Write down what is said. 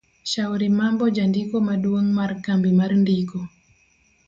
Shauri Mambo Jandiko maduong' mar Kambi mar ndiko